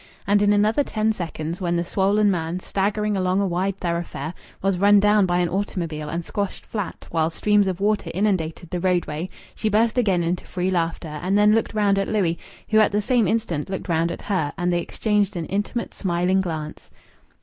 And in another ten seconds, when the swollen man, staggering along a wide thoroughfare, was run down by an automobile and squashed flat, while streams of water inundated the roadway, she burst again into free laughter, and then looked round at Louis, who at the same instant looked round at her, and they exchanged an intimate smiling glance.